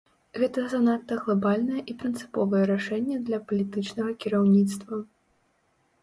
Гэта занадта глабальнае і прынцыповае рашэнне для палітычнага кіраўніцтва.